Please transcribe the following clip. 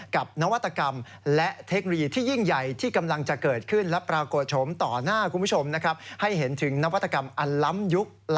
กับนวัตกรรมและเทคโนรีที่ยิ่งใหญ่ที่กำลังจะเกิดขึ้นและปรากฎ